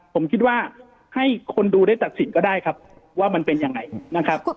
ผมคิดว่าให้คนดูได้ตัดสินก็ได้ครับว่ามันเป็นยังไงนะครับ